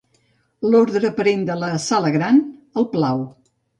L'ordre aparent de la sala gran el plau.